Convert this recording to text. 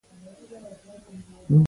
بې وزله خلک لږ فرصتونه لري.